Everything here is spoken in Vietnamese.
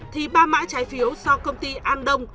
thì ba mã trái phiếu do công ty an đông